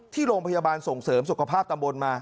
ที่โรงพยาบาลส่งเสริมสุขภาพตำบลมา